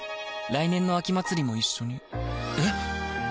来年の秋祭も一緒にえ